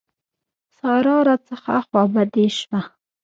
سارا راڅخه خوابدې شوه.